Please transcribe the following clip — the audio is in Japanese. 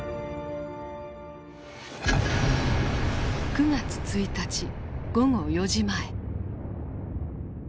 ９月１日午後４時前。